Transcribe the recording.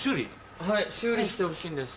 はい修理してほしいんです。